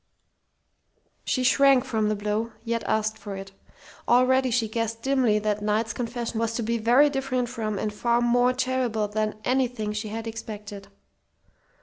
She shrank from the blow, yet asked for it. Already she guessed dimly that Knight's confession was to be very different from and far more terrible than anything she had expected.